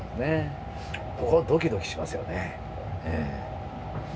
これはドキドキしますよねええ。